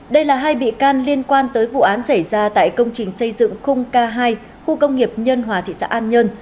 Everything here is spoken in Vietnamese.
đây là hai bị can liên quan tới vụ án xảy ra tại công trình xây dựng khung k hai khu công nghiệp nhân hòa thị xã an nhơn